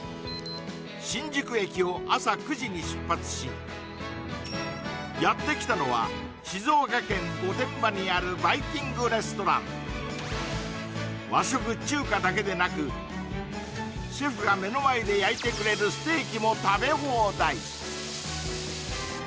新宿駅を朝９時に出発しやってきたのは静岡県御殿場にあるバイキングレストランシェフが目の前で焼いてくれるなんです